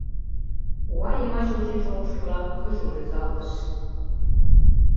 Уа йымач ончен шогышыжла, вуйжым рӱзалтыш.